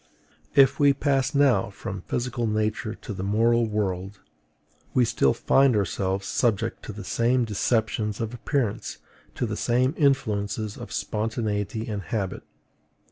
If we pass now from physical nature to the moral world, we still find ourselves subject to the same deceptions of appearance, to the same influences of spontaneity and habit.